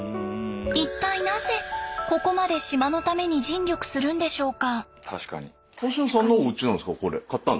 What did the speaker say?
一体なぜここまで島のために尽力するんでしょうか？